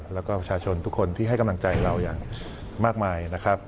แล้วก็ประชาชนทุกคนที่ให้กำลังใจเราอย่างมากมายนะครับ